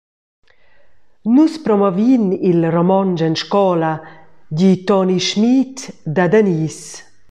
«Nus promovin il romontsch en scola», di Toni Schmid da Danis.